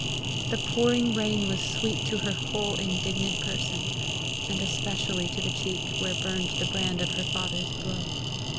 The pouring rain was sweet to her whole indignant person, and especially to the cheek where burned the brand of her father's blow.